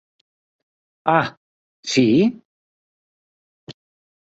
Ah, si?